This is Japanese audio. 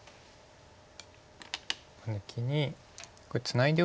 抜きにこれツナいで